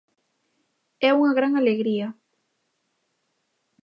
É unha gran alegría.